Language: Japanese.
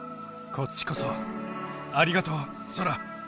こっちこそありがとうソラ。